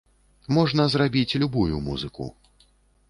Можна зрабіць любую музыку.